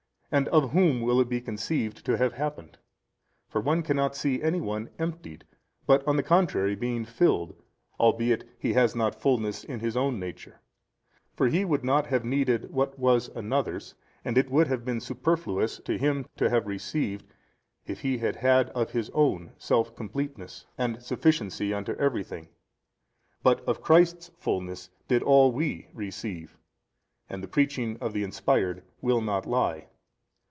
and of whom will it be conceived to have happened? for one cannot see any one emptied but on the contrary being filled albeit he has not fulness in his own nature: for he would not have needed what was another's and it would have been superfluous to him to have received, if he had had, of his own, self completeness and sufficiency unto every thing, but of Christ's fulness did all WE receive, and the preaching of the inspired will not lie.